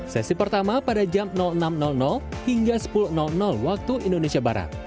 sesi pertama pada jam enam hingga sepuluh waktu indonesia barat